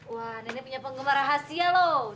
wah nenek punya penggemar rahasia loh